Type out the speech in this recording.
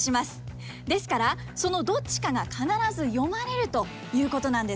ですからそのどっちかが必ず読まれるということなんです。